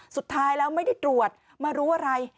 สุดท้ายแล้วไม่ได้ตรวจมารู้อะไร